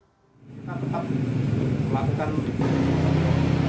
kita tetap melakukan lukisan